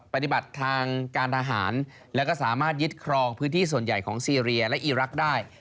ปฏิบัติทางการทหารแล้วก็สามารถยึดครองพื้นที่ส่วนใหญ่ของซีเรียและอีรักษ์ได้